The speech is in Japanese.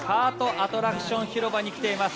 アトラクション広場に来ています。